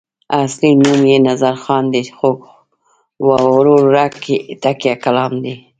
اصلي نوم یې نظرخان دی خو ورورک یې تکیه کلام دی.